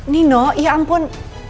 nino ya ampun